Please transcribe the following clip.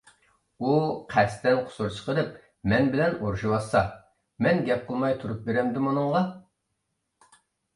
ئۇ قەستەن قۇسۇر چىقىرىپ مەن بىلەن ئۇرۇشىۋاتسا، مەن گەپ قىلماي تۇرۇپ بېرەمدىم ئۇنىڭغا.